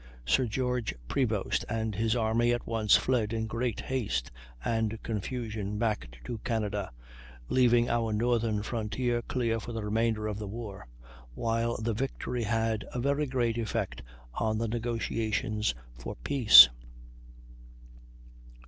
Sir George Prevost and his army at once fled in great haste and confusion back to Canada, leaving our northern frontier clear for the remainder of the war; while the victory had a very great effect on the negotiations for peace.